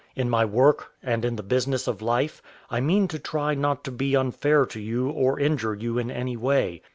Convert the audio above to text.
In my work and in the business of life, I mean to try not to be unfair to you or injure you in any way.